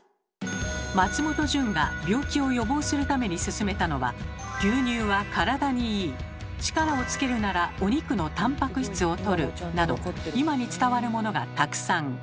松本順が病気を予防するためにすすめたのは「牛乳は体にいい！」「力をつけるならお肉のたんぱく質をとる！」など今に伝わるものがたくさん。